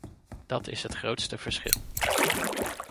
Dat is het grootste verschil.